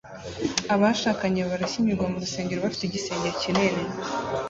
Abashakanye barashyingirwa mu rusengero bafite igisenge kinini